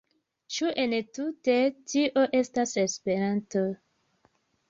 Ĉu entute tio estas Esperanto?